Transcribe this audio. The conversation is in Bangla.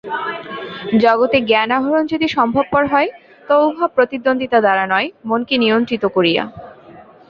জগতের জ্ঞান-আহরণ যদি সম্ভবপর হয় তো উহা প্রতিদ্বন্দ্বিতা দ্বারা নয়, মনকে নিয়ন্ত্রিত করিয়া।